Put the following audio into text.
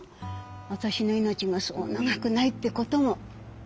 私の命がそう長くないってことも。